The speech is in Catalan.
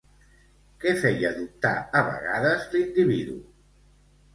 Què feia dubtar a vegades l'individu?